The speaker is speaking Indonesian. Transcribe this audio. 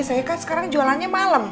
saya kan sekarang jualannya malam